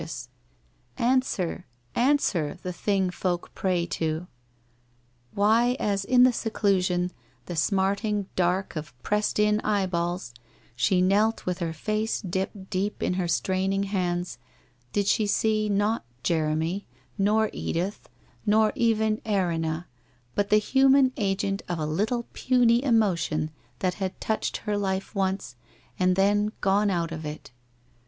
Answer? answer, the Thing folk pray to? Why, as in the seclusion, the smarting dark of pressed in eye balls, she knelt with her face dipped deep in her WHITE ROSE OF WEARY LEAF 283 straining hands, did she see, not Jeremy, nor Edith, nor even Erinna, but the human agent of a little puny emotion that had touched her life once, and then gone out of it?